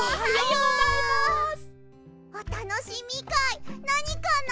おたのしみかいなにかな？